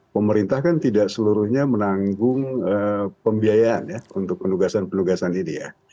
pemerintah kan tidak seluruhnya menanggung pembiayaan ya untuk penugasan penugasan ini ya